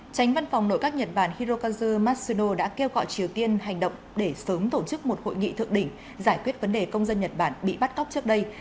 tránh văn phòng nội các nhật bản hirokazu masuno đã kêu gọi triều tiên hành động để sớm tổ chức một hội nghị thượng đỉnh giải quyết vấn đề công dân nhật bản bị bắt cóc trước đây